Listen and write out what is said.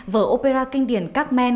vở opera kinh điển cacmen